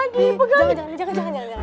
jangan jangan jangan